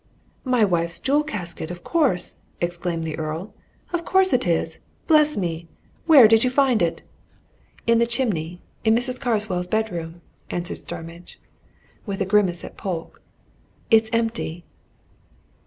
"My wife's jewel casket, of course!" exclaimed the Earl. "Of course it is! Bless me! where did you find it?" "In the chimney, in Mrs. Carswell's bedroom," answered Starmidge, with a grimace at Polke. "It's empty!"